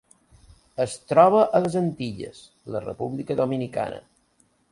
Es troba a les Antilles: la República Dominicana.